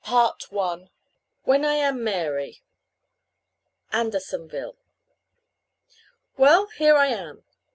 CHAPTER V WHEN I AM MARY ANDERSONVILLE. Well, here I am.